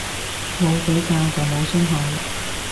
冇比較就冇傷害